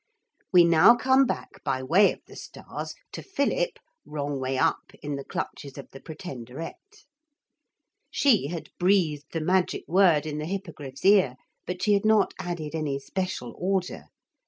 We now come back by way of the stars to Philip wrong way up in the clutches of the Pretenderette. She had breathed the magic word in the Hippogriff's ear, but she had not added any special order.